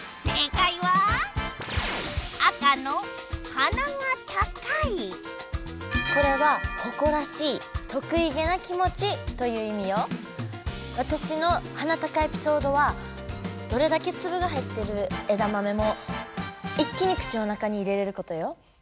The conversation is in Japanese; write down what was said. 赤の「鼻が高い」これはわたしの鼻高エピソードはどれだけつぶが入ってるえだまめも一気に口の中に入れれることよ。